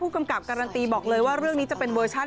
กำกับการันตีบอกเลยว่าเรื่องนี้จะเป็นเวอร์ชัน